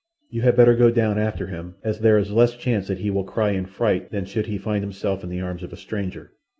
"You had better go down after him, as there is less chance that he will cry in fright than should he find himself in the arms of a stranger.